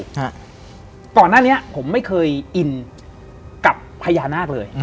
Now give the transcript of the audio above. ฮะก่อนหน้านี้ผมไม่เคยอินกับพญานาคเลย